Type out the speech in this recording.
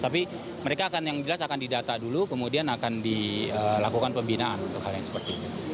tapi mereka akan yang jelas akan didata dulu kemudian akan dilakukan pembinaan untuk hal yang seperti itu